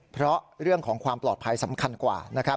เพราะเรื่องของความปลอดภัยสำคัญกว่านะครับ